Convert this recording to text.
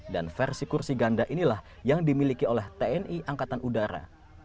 dan versi kursi ganda inilah yang dimiliki oleh tni angkatan udara